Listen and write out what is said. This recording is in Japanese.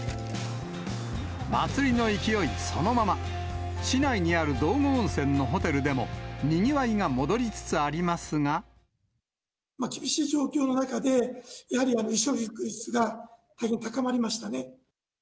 祭りの勢いそのまま、市内にある道後温泉のホテルでも、にぎわい厳しい状況の中で、やはり離職率が大変高まりましたね。